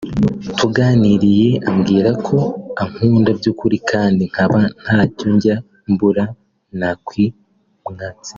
tuganiriye ambwira ko ankunda by’ukuri kandi nkaba ntacyo njya mbura nakimwatse